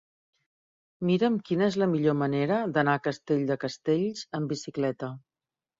Mira'm quina és la millor manera d'anar a Castell de Castells amb bicicleta.